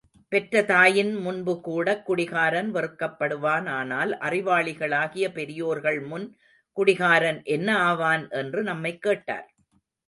பெற்ற தாயின் முன்புகூடக் குடிகாரன் வெறுக்கப்படுவானானால், அறிவாளிகளாகிய பெரியோர்கள் முன் குடிகாரன் என்ன ஆவான்? என்று நம்மைக் கேட்கிறார்.